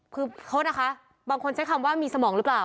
คือโทษนะคะบางคนใช้คำว่ามีสมองหรือเปล่า